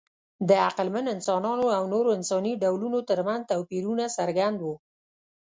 د عقلمن انسانانو او نورو انساني ډولونو ترمنځ توپیرونه څرګند وو.